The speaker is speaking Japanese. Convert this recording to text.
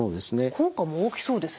効果も大きそうですね。